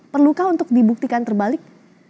perlukah untuk dibuktikan terbalik